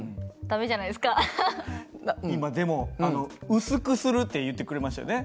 今でも薄くするって言ってくれましたよね。